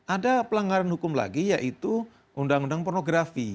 ada pelanggaran hukum lagi yaitu undang undang pornografi